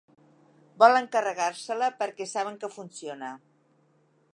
Volen carregar-se-la perquè saben que funciona.